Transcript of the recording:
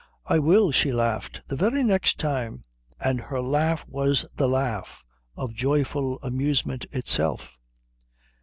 "I will," she laughed, "the very next time." And her laugh was the laugh of joyful amusement itself.